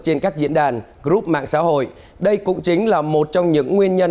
trên các diễn đàn group mạng xã hội đây cũng chính là một trong những nguyên nhân